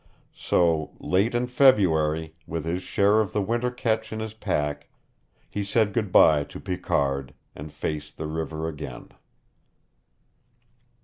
So late in February, with his share of the Winter catch in his pack, he said good by to Picard and faced the River again.